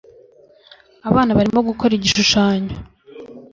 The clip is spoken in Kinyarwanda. Abana barimo gukora igishushanyo.